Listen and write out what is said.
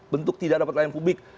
bentuk tidak dapat layanan publik